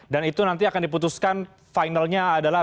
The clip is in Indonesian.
dan itu nanti akan diputuskan finalnya adalah